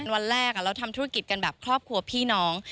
วันแรกเราทำธุรกิจกันแบบครอบครัวพี่น้อง